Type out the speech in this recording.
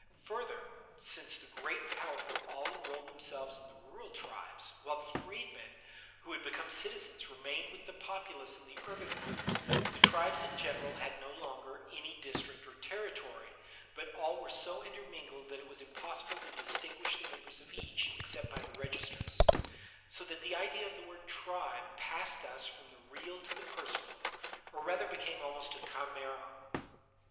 Further, since the great and powerful all enrolled themselves in the rural tribes, while the freedmen who had become citizens remained with the populace in the urban ones, the tribes in general had no longer any district or territory, but all were so intermingled that it was impossible to distinguish the members of each except by the registers; so that the idea of the word tribe passed thus from the real to the personal, or rather became almost a chimera.